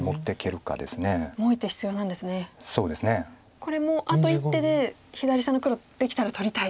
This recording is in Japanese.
これもあと１手で左下の黒できたら取りたい。